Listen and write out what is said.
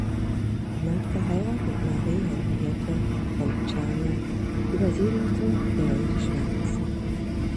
Nach der Heirat mit Marie Henriette von Tscharner übersiedelte er in die Schweiz.